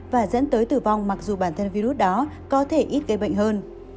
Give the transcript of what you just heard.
và dẫn tới tử vong mặc dù bản thân virus đó có thể ít gây bệnh hơn